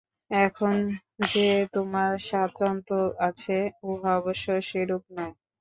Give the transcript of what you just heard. এখন যে তোমার স্বাতন্ত্র্য আছে, উহা অবশ্য সেরূপ নয়।